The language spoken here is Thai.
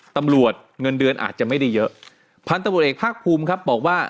ตำรวจเงินเดือนอาจจะไม่ได้เยอะพันธุ์ตำรวจเอกภาคภูมิครับบอกว่า